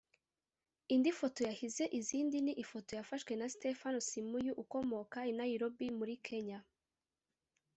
Indi foto yahize izindi ni ifoto yafashwe na Stephen Simiyu ukomoka i Nairobi muri Kenya